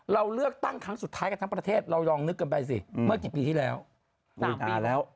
เราเลือกตั้งครั้งสุดท้ายกันทั้งประเทศเรายองนึกกันไปสิเมื่อกี่ปีที่แล้วมีปีแล้ว